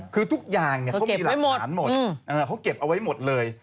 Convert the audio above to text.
คือทุกอย่างเขามีหลักฐานหมดเขาเก็บเอาไว้หมดเลย